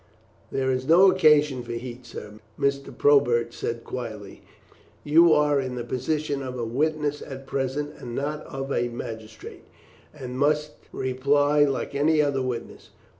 "There is no occasion for heat, sir," Mr. Probert said quietly. "You are in the position of a witness at present and not of a magistrate, and must reply like any other witness.